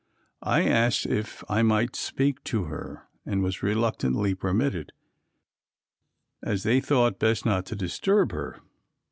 I asked if I might speak to her and was reluctantly permitted, as they thought best not to disturb her.